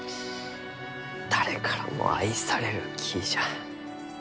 誰からも愛される木じゃ。